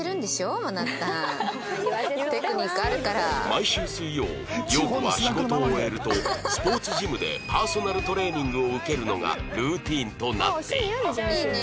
毎週水曜洋子は仕事を終えるとスポーツジムでパーソナルトレーニングを受けるのがルーチンとなっていた